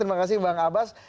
terima kasih bang abbas